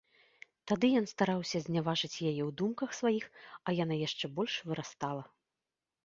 Тады ён стараўся зняважыць яе ў думках сваіх, а яна яшчэ больш вырастала.